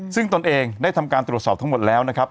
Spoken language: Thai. ซึ่งตนเองได้ทำการตรวจสอบทั้งหมดแล้วนะครับ